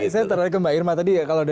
saya tertarik ke mbak irma tadi ya